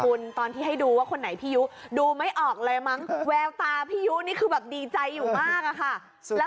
คุณตอนที่ให้ดูว่าคนไหนพี่ยุดูไม่ออกเลยมั้งแววตาพี่ยุนี่คือแบบดีใจอยู่มากอะค่ะ